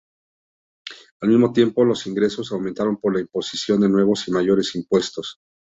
Al mismo tiempo, los ingresos aumentaron por la imposición de nuevos y mayores impuestos.